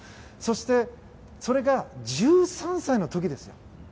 そしてそれが１３歳の時ですよ。